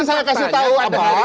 ini saya kasih tahu